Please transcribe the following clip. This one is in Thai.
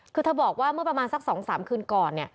คือเธอบอกว่าเมื่อประมาณสัก๒๓คืนก่อน